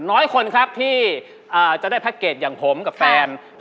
น้อยคนที่จะได้แพ็คเก็ตอย่างผมกับแฟนค์แฟนค์